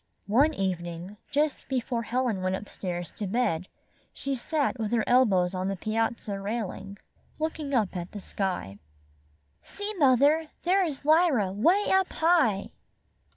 One evening, just before Helen went up stairs to bed, she sat with her elbows on the piazza railing, looking at the sky. ''See, mother! there is Lj^ra 'way up high!"